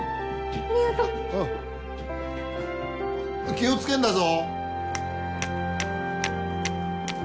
気を付けんだぞ。